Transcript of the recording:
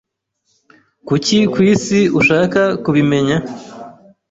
Kuki kwisi ushaka kubimenya?